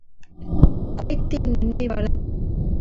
குவைத்தின் எண்ணெய் வளம்!